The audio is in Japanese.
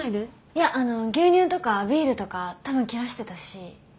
いやあの牛乳とかビールとか多分切らしてたし。